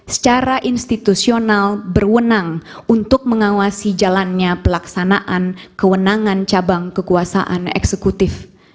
secara institusional berwenang untuk mengawasi jalannya pelaksanaan kewenangan cabang kekuasaan eksekutif